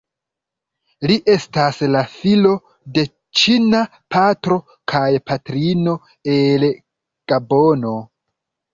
Li estas la filo de ĉina patro kaj patrino el Gabono.